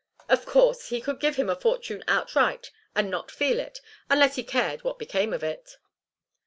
"Of course he could give him a fortune outright and not feel it unless he cared what became of it."